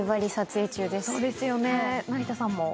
そうですよね成田さんも？